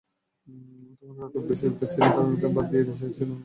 তখনকার খোদ বিসিবি প্রেসিডেন্টও তামিমকে বাদ দিতে চেয়েছিলেন বলে খবর বেরিয়েছিল।